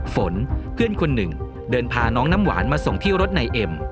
ฝนเพื่อนคนหนึ่งเดินพาน้องน้ำหวานมาส่งที่รถนายเอ็ม